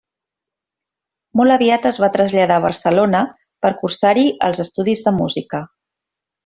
Molt aviat es va traslladar a Barcelona per a cursar-hi els estudis de música.